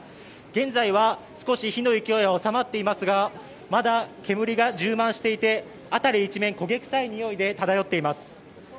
現在は少し火の勢いは収まっていますが、まだ煙が充満していて辺り一面焦げ臭いにおいが漂っています。